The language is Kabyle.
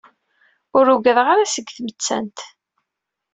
Ur ugadeɣ ara seg tmettant.